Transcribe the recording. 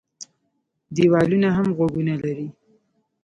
ـ دیوالونه هم غوږونه لري.